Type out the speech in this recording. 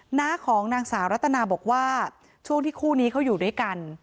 หน้าของนางสาวรัตนาบอกว่าช่วงที่คู่นี้เขาอยู่ด้วยกัน